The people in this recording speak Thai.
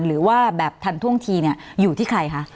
หรือว่าแบบทันท่วงทีอยู่ที่ใครคะ